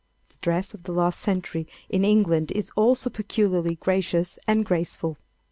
The dress of the last century in England is also peculiarly gracious and graceful.